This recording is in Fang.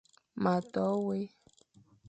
Ma to wé,